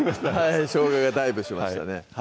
しょうががダイブしましたね